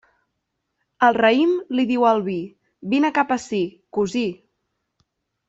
El raïm li diu al vi: “vine cap ací, cosí”.